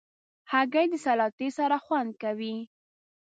هګۍ د سلاتې سره خوند کوي.